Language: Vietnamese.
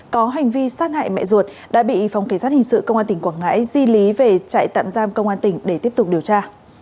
có hành vi sát hại mẹ ruột đã bị phòng kỳ sát hình sự công an tỉnh quảng ngãi di lý về trại tạm giam công an tỉnh để tiếp tục điều tra